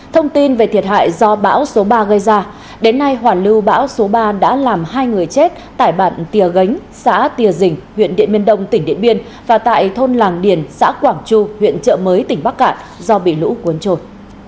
thông tin về thiệt hại do bão số ba gây ra đến nay hoàn lưu bão số ba đã làm hai người chết tại bản tìa gánh xã tìa dình huyện điện biên đông tỉnh điện biên và tại thôn làng điền xã quảng chu huyện trợ mới tỉnh bắc cạn do bị lũ cuốn trôi